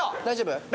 大丈夫？